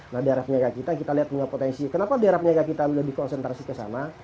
nah daerah penyaga kita kita lihat punya potensi kenapa daerah penyaga kita lebih konsentrasi ke sana